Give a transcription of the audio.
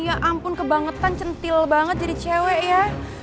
ya ampun kebangetan centil banget jadi cewek ya